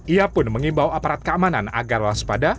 ia pun mengimbau aparat keamanan agar waspada